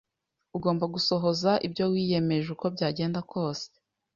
Ugomba gusohoza ibyo wiyemeje uko byagenda kose.